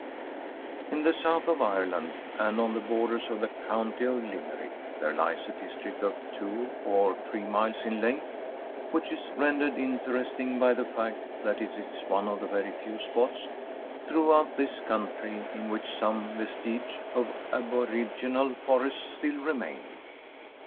In the south of Ireland, and on the borders of the county of Limerick, there lies a district of two or three miles in length, which is rendered interesting by the fact that it is one of the very few spots throughout this country in which some vestiges of aboriginal forests still remain.